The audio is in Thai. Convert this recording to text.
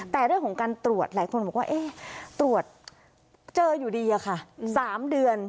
แต่เรื่องของการตรวจหลายคนบอกว่าตรวจเจออยู่ดีอะค่ะ๓เดือน